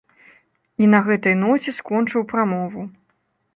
І на гэтай ноце скончыў прамову.